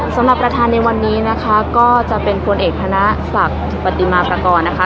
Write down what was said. สำหรับประธานในวันนี้นะคะก็จะเป็นพลเอกธนศักดิ์ปฏิมาประกอบนะคะ